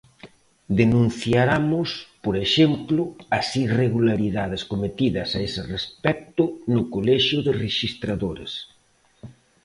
Denunciaramos, por exemplo, as irregularidades cometidas a ese respecto no Colexio de Rexistradores.